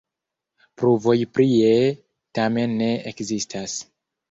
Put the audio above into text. Pruvoj prie tamen ne ekzistas.